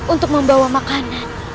untuk membawa makanan